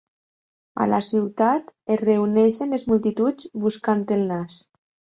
A la ciutat, es reuneixen les multituds buscant el nas.